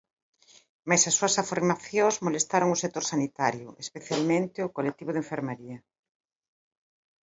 Mais as súas afirmacións molestaron ao sector sanitario, especialmente ao colectivo de enfermaría.